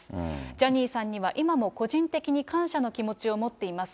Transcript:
ジャニーさんには今も個人的に感謝の気持ちを持っています。